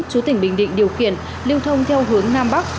chú tỉnh bình định điều khiển lưu thông theo hướng nam bắc